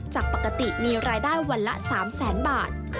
จากปกติมีรายได้วันละ๓แสนบาท